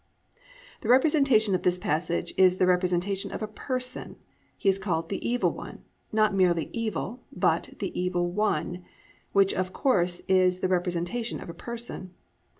"+ The representation of this passage is the representation of a person. He is called "The Evil One," not merely "evil," but "The Evil One," which of course is the representation of a person.